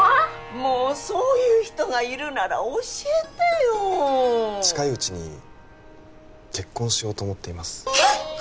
もうそういう人がいるなら教えてよ近いうちに結婚しようと思っています結婚！？